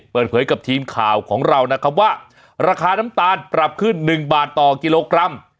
เปิดเผยกับทีมข่าวของเรานะครับว่าราคาน้ำตาลปรับขึ้น๑บาทต่อกิโลกรัม